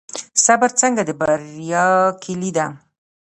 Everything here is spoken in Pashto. صبر څنګه د بریا کیلي ده؟